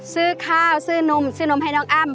ซื้อข้าวซื้อนมซื้อนมให้น้องอ้ำ